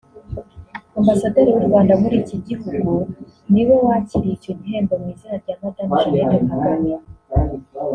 Ambasaderi w’u Rwanda muri iki gihugu niwe wakiriye icyo gihembo mu izina rya Madame Jeannette Kagame